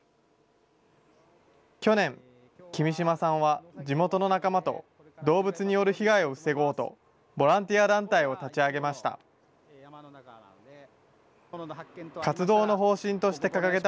去年、君島さんは地元の仲間と動物による被害を防ごうと、ボランティア団体を立ち上げました。